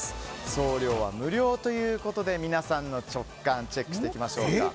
送料は無料ということで皆さんの直感をチェックしていきましょう。